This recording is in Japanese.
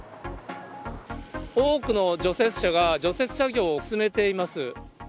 多くの除雪車が除雪作業を進めています。